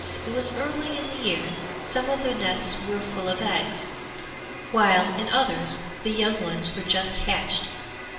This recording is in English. It was early in the year; some of the nests were full of eggs, while in others the young ones were just hatched.